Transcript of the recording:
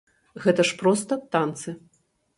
Гэта ж проста танцы.